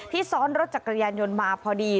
ซ้อนรถจักรยานยนต์มาพอดี